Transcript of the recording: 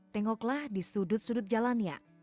tengoklah di sudut sudut jalannya